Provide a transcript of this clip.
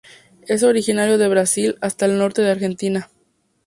Es originario de Brasil hasta el norte de Argentina.